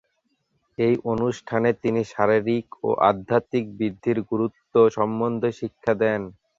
এই অনুষ্ঠানে তিনি শারীরিক ও আধ্যাত্মিক বৃদ্ধির গুরুত্ব সম্বন্ধে শিক্ষা দেন।